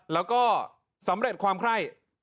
แล้วก็สำเร็จความไคร่